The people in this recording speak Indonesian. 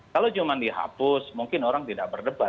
kalau cuma dihapus mungkin orang tidak berdebat